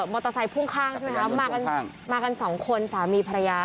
เตอร์ไซค่วงข้างใช่ไหมคะมากันมากันสองคนสามีภรรยา